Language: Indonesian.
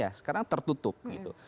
iya sekarang tertutup gitu